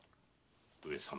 上様